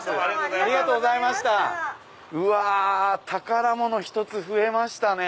うわ宝物１つ増えましたね。